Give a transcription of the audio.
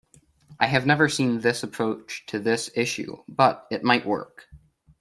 I have never seen this approach to this issue, but it might work.